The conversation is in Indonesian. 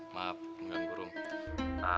maaf mengganggu rum